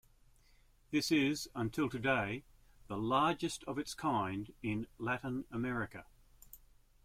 This is, until today, the largest of its kind in Latin America.